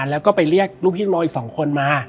แล้วก็ไปเรียกลูกพี่น้องอีก๒คนมา